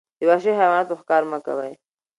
د وحشي حیواناتو ښکار مه کوئ.